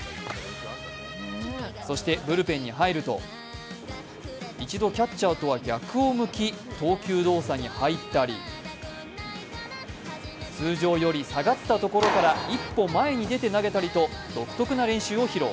そしてブルペンに入ると一度キャッチャーとは逆を向き投球動作に入ったり通常より下がった所から１歩前に出て投げたりと独特な練習を披露。